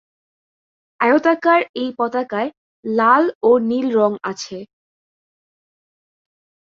আয়তাকার এই পতাকায় লা ও নীল রঙ আছে।